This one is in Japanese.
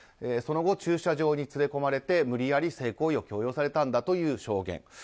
その後、駐車場に連れ込まれて無理やり、性行為を強要されたんだという証言。